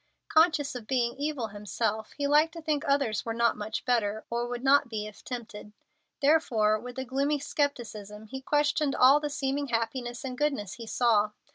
Conscious of being evil himself, he liked to think others were not much better, or would not be if tempted. Therefore, with a gloomy scepticism, he questioned all the seeming happiness and goodness he saw.